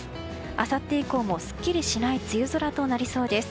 あさって以降もすっきりしない梅雨空となりそうです。